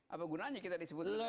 apa gunanya kita disebutkan